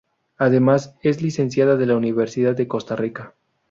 Además, es licenciada de la Universidad de Costa Rica.